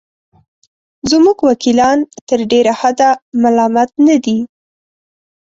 زموږ وکیلان تر ډېره حده ملامت نه دي.